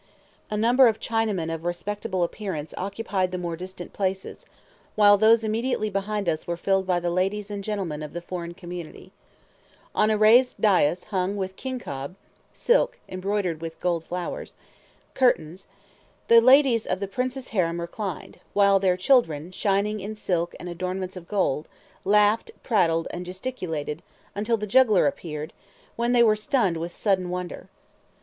A number of Chinamen of respectable appearance occupied the more distant places, while those immediately behind us were filled by the ladies and gentlemen of the foreign community. On a raised dais hung with kincob [Footnote: Silk, embroidered with, gold flowers.] curtains, the ladies of the Prince's harem reclined; while their children, shining in silk and ornaments of gold, laughed, prattled, and gesticulated, until the juggler appeared, when they were stunned with sudden wonder.